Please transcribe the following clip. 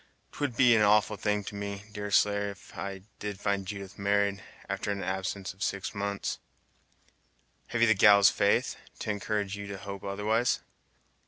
'T would be an awful thing to me, Deerslayer, did I find Judith married, after an absence of six months!" "Have you the gal's faith, to encourage you to hope otherwise?"